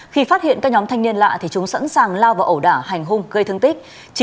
khi phát hiện các nhóm thanh niên lạ thì chúng sẵn sàng lao vào ẩu đả hành hung gây thương tích